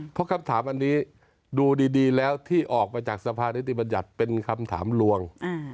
เพราะคำถามอันนี้ดูดีแล้วที่ออกมาจากสภานิติบัญญัติเป็นคำถามลวง